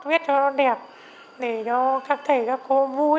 viết cho nó đẹp để cho các thầy các cô vui